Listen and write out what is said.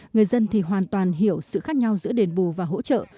người dân thì hoàn toàn hiểu sự khác nhau giữa đền bù và hỗ trợ